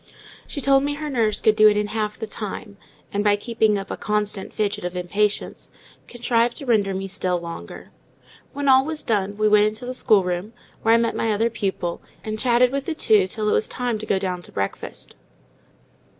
She told me her nurse could do it in half the time, and, by keeping up a constant fidget of impatience, contrived to render me still longer. When all was done, we went into the schoolroom, where I met my other pupil, and chatted with the two till it was time to go down to breakfast.